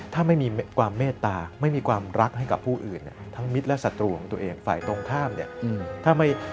ถ้าไม่มีความเมตตาไม่มีความรักให้กับผู้อื่นเนี่ยทั้งมิตรและศัตรูของตัวเองฝ่ายตรงข้ามเนี่ย